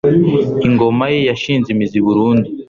ingoma ye yashinze imizi burundu